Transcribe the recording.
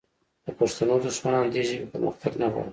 د پښتنو دښمنان د دې ژبې پرمختګ نه غواړي